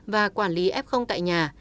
và quản lý f tại nhà